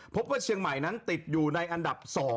พบว่าเชียงใหม่นั้นติดอยู่ในอันดับ๒